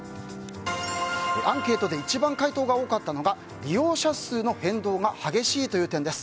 アンケートで一番回答が多かったのは利用者の変動が激しいという点です。